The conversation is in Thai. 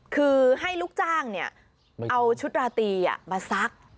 คือให้ลูกจ้างเอาชุดราตรีมาซัก